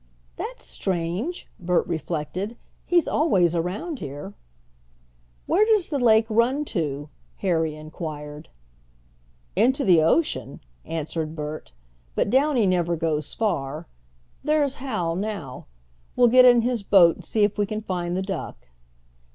"That's strange," Bert reflected. "He's always around here." "Where does the lake run to?" Harry inquired. "Into the ocean," answered Bert; "but Downy never goes far. There's Hal now. We'll get in his boat and see if we can find the duck."